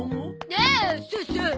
あっそうそう！